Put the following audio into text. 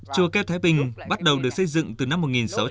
chùa keo thái bình bắt đầu được xây dựng từ năm một nghìn sáu trăm sáu mươi